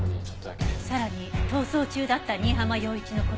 さらに逃走中だった新浜陽一の事を。